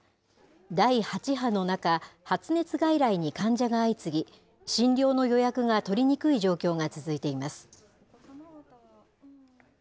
第８波の中、発熱外来に患者が相次ぎ、診療の予約が取りにくい状況が続いています。